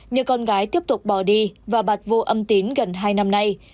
nhiều con gái tiếp tục bỏ đi và bạt vô âm tín gần hai năm nay